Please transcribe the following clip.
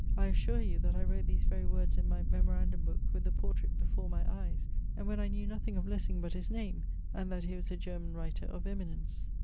I assure you, that I wrote these very words in my memorandum book with the portrait before my eyes, and when I knew nothing of Lessing but his name, and that he was a German writer of eminence.